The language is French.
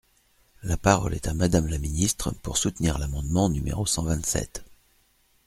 La parole est à Madame la ministre, pour soutenir l’amendement numéro cent vingt-sept.